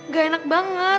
gak enak banget